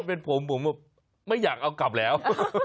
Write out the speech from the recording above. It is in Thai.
เป็นผมผมไม่อยากเอากลับแล้ว